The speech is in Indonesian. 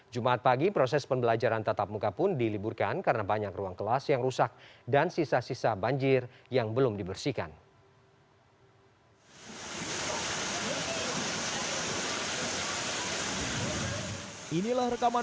jumat pagi proses pembelajaran tatap muka pun diliburkan karena banyak ruang kelas yang rusak dan sisa sisa banjir yang belum dibersihkan